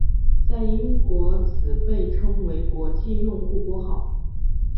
在英国此被称为国际用户拨号。